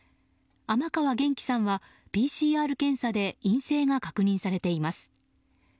尼川元気さんはＰＣＲ検査で陰性が確認されています。